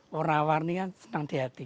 warna warninya senang di hati